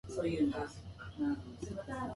今日はいいお天気ですね